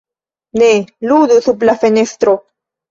"Ne ludu sub la fenestro!"